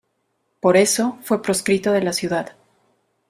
Por eso, fue proscrito de la ciudad.